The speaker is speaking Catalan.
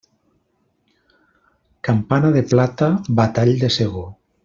Campana de plata, batall de segó.